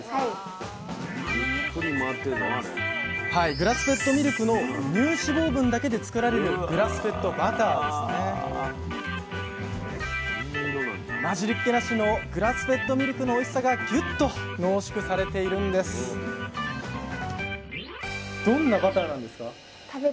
グラスフェッドミルクの乳脂肪分だけで作られる混じりっけなしのグラスフェッドミルクのおいしさがぎゅっと濃縮されているんですどんなバターなんですか？